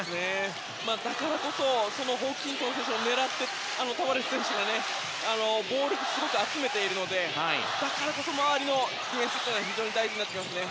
だからこそホーキンソン選手を狙ってタバレス選手にボールを集めているのでだからこそ周りの選手が非常に大事になってきますね。